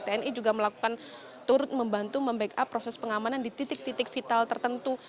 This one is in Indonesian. tni juga melakukan turut membantu membackup proses pengamanan di titik titik vital tertentu